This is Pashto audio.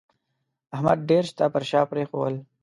احمد ډېر شته پر شا پرېښول